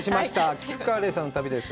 菊川怜さんの旅です。